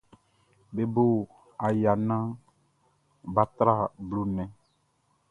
Be bo aya naan bʼa tra blo nnɛn.